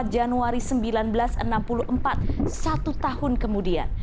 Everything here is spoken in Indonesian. empat januari seribu sembilan ratus enam puluh empat satu tahun kemudian